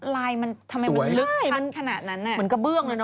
ลายมันทำไมมันชัดขนาดนั้นเนี่ยสวยมันเหมือนกระเบื้องเลยเนอะ